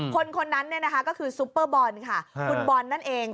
คนคนนั้นเนี่ยนะคะก็คือซุปเปอร์บอลค่ะคุณบอลนั่นเอง